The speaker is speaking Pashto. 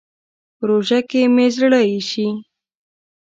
په روژه کې مې زړه اېشي.